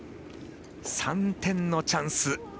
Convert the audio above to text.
３点のチャンス。